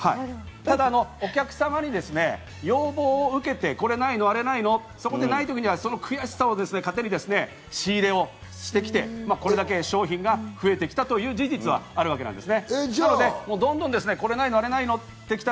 ただ、お客様に要望を受けて、これないの？あれないの？そのない時の、その悔しさを糧に、仕入れをしてきて、これだけ商品が増えてきたという事実はあるわけなんですね。